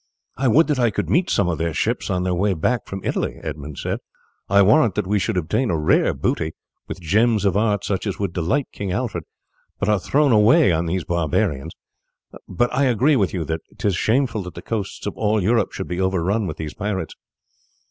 "I would that I could meet some of their ships on their way back from Italy," Edmund said. "I warrant that we should obtain a rare booty, with gems of art such as would delight King Alfred, but are thrown away on these barbarians; but I agree with you that 'tis shameful that the coasts of all Europe should be overrun with these pirates."